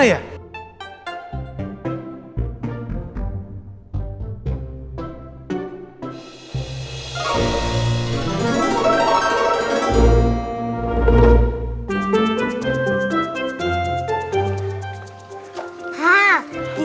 nanti aku akan nyambungin